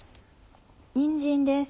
にんじんです。